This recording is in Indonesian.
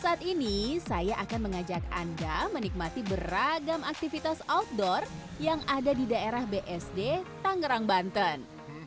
saat ini saya akan mengajak anda menikmati beragam aktivitas outdoor yang ada di daerah bsd tangerang banten